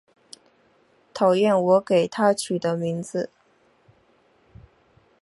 讨厌我给她取的名字